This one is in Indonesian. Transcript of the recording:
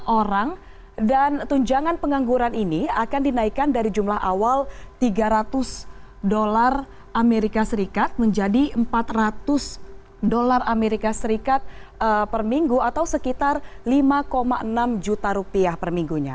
lima orang dan tunjangan pengangguran ini akan dinaikkan dari jumlah awal tiga ratus dolar amerika serikat menjadi empat ratus dolar amerika serikat per minggu atau sekitar lima enam juta rupiah per minggunya